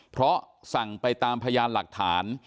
เพราะสั่งไปตามพยานหลักฐาน